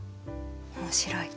面白い。